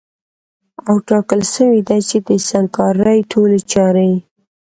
او ټاکل سوې ده چي د سنګکارۍ ټولي چاري